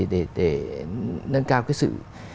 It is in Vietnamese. để nâng cao sự